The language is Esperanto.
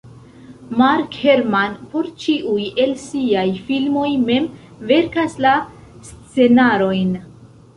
Mark Herman por ĉiuj el siaj filmoj mem verkas la scenarojn.